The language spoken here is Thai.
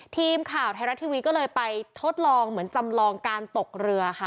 ทีมข่าวไทยรัฐทีวีก็เลยไปทดลองเหมือนจำลองการตกเรือค่ะ